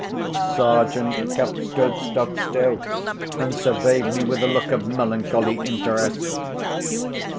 Sergeant Cuff stood stock still, and surveyed me with a look of melancholy interest.